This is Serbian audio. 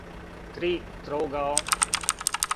три троугао